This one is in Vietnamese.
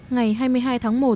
ngày hai mươi hai tháng một